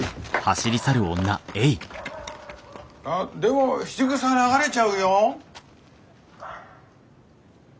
あっでも質ぐさ流れちゃうよ。